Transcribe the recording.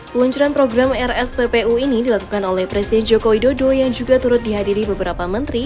peluncuran program rsppu ini dilakukan oleh presiden joko widodo yang juga turut dihadiri beberapa menteri